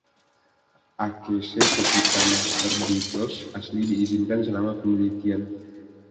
Akese ke pita master Beatles asli diizinkan selama penelitian.